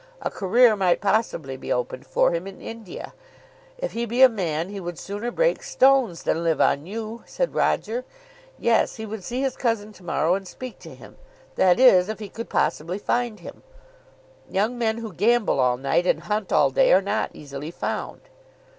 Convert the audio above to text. A career might possibly be opened for him in India. "If he be a man he would sooner break stones than live on you," said Roger. Yes, he would see his cousin to morrow and speak to him; that is if he could possibly find him. "Young men who gamble all night, and hunt all day are not easily found."